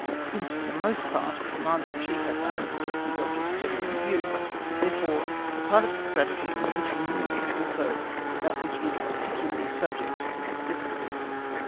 Since for the most part the Commander in Chief has only to keep these objects steadily in view, therefore the part of strategy in which he moves is also that which is particularly subject to this difficulty.